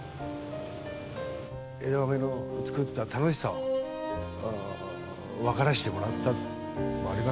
枝豆の作った楽しさをわからせてもらったのもありますし。